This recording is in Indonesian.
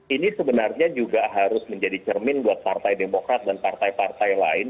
ini sebenarnya juga harus menjadi cermin buat partai demokrat dan partai partai lain